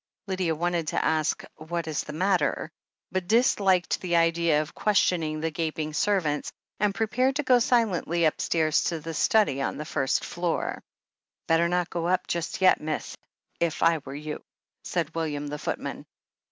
Lydia wanted to ask, "What is the matter ?" but dis THE HEEL OF ACHILLES 301 liked the idea of questioning the gaping servants, and prepared to go silently upstairs to the study on the first floor. ^'Better not go up just yet, miss, if I were you," said William, the footman.